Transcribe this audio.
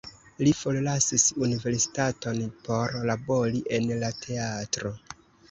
Li forlasis universitaton por labori en la teatro.